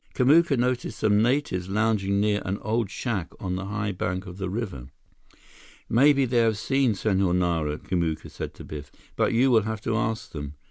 Kamuka noticed some natives lounging near an old shack on the high bank of the river. "Maybe they have seen Senhor Nara," Kamuka said to Biff. "But you will have to ask them.